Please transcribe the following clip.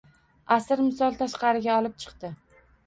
Asir misol tashqari olib chiqdi.